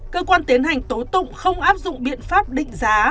cơ quan tiến hành tố tụng không áp dụng biện pháp định giá